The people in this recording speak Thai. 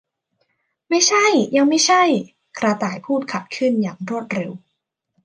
ไม่ใช่ ยังไม่ใช่ ! กระต่ายพูดขัดขึ้นอย่างรวดเร็ว